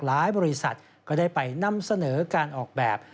บริษัทก็ได้ไปนำเสนอการออกแบบ